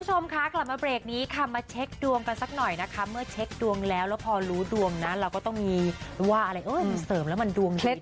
คุณผู้ชมคะกลับมาเบรกนี้ค่ะมาเช็คดวงกันสักหน่อยนะคะเมื่อเช็คดวงแล้วแล้วพอรู้ดวงนะเราก็ต้องมีว่าอะไรมันเสริมแล้วมันดวงเช็ค